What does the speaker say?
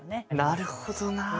なるほどな。